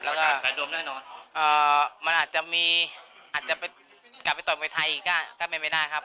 แล้วก็มันอาจจะกลับไปต่อมวยไทยอีกก็ไม่ได้ครับ